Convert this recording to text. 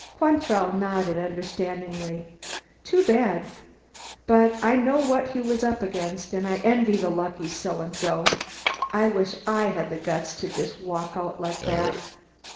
Quantrell nodded understandingly. "Too bad. But I know what he was up against and I envy the lucky so and so. I wish I had the guts to just walk out like that.